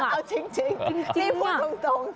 เอาจริงจี้พูดตรง